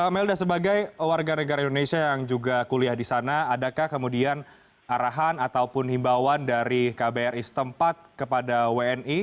melda sebagai warga negara indonesia yang juga kuliah di sana adakah kemudian arahan ataupun himbawan dari kbri setempat kepada wni